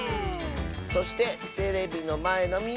そしてテレビのまえのみんな。